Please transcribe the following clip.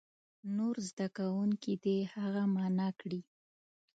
نور زده کوونکي دې هغه معنا کړي.